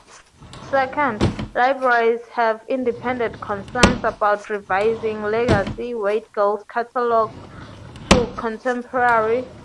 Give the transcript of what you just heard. Second, libraries have independent concerns about revising legacy Wade-Giles catalogs to contemporary pinyin.